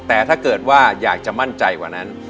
แต่ถ้าเกิดว่าอยากจะมั่นใจกว่านั้น